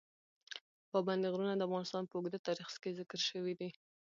پابندی غرونه د افغانستان په اوږده تاریخ کې ذکر شوی دی.